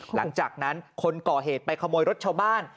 หลังจากนั้นคนก่อเหตุไปขโมยรถชาวบ้าน